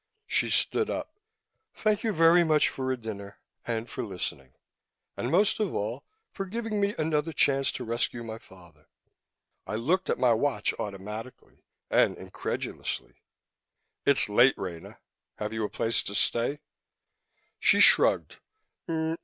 She stood up. "Thank you very much for a dinner. And for listening. And most of all, for giving me another chance to rescue my father." I looked at my watch automatically and incredulously. "It's late, Rena. Have you a place to stay?" She shrugged.